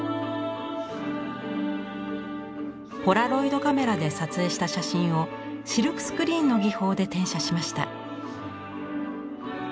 ポラロイドカメラで撮影した写真をシルクスクリーンの技法で転写しました。